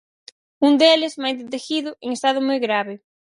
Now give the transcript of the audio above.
Un deles, Maite Teijido, en estado moi grave.